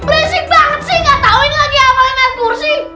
berisik banget sih gak tau ini lagi apaan ekskursi